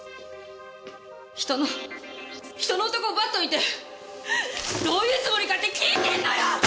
人の人の男を奪っといてどういうつもりかって聞いてんのよ！